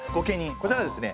こちらはですね